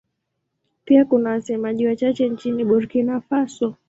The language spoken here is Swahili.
Pia kuna wasemaji wachache nchini Burkina Faso.